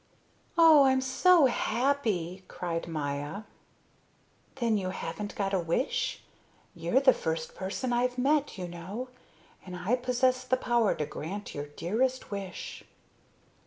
"Oh, I'm so happy!" cried Maya. "Then you haven't got a wish? You're the first person I've met, you know, and I possess the power to grant your dearest wish."